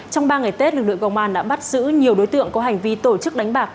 trong ba ngày tết lực lượng công an đã bắt giữ nhiều đối tượng có hành vi tổ chức đánh bạc